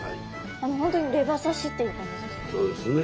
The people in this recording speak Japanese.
本当にレバ刺しっていう感じですね。